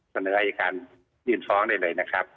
บรรยายการยืนฟ้องได้เลยนะครับ